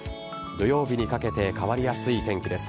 土曜日にかけて変わりやすい天気です。